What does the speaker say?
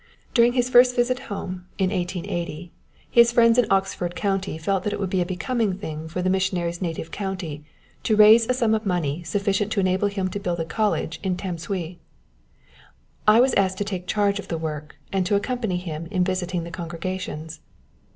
During his first visit home, in 1880, his friends in Oxford County felt that it would be a becoming thing for the missionary's native county to raise a sum of money sufficient to enable him to build a college in Tamsui. I was asked to take charge of the work, and to accompany him in visiting the congregations.